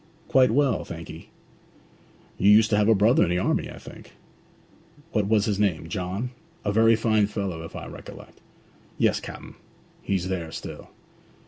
'Quite well, thank 'ee.' 'You used to have a brother in the army, I think? What was his name John? A very fine fellow, if I recollect.' 'Yes, cap'n; he's there still.'